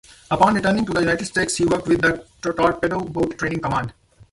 Upon returning to the United States, he worked with the torpedo boat training command.